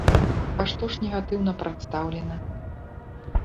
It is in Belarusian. А што ж негатыўна прадстаўлена?